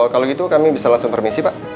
kalau gitu kami bisa langsung permisi pak